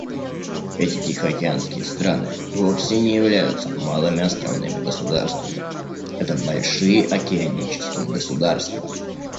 Эти тихоокеанские страны вовсе не являются «малыми островными государствами»: это большие океанические государства.